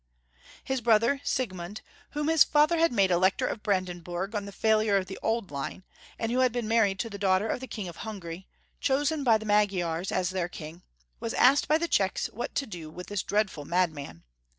His brother Siegmund, whom his father had made Elector of Brandenburg on the failure of the old line, and who had been married to the daughter of the King of Hungary, chosen by the Magyars as their king, was asked by the Czechs what to do with this dreadful madman.